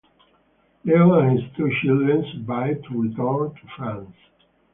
Leo and his two children survived to return to France.